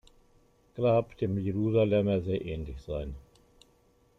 Grab dem Jerusalemer sehr ähnlich sei.